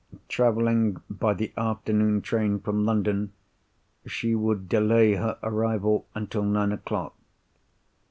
Travelling by the afternoon train from London, she would delay her arrival until nine o'clock.